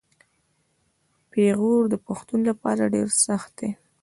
پېغور د پښتون لپاره ډیر سخت دی.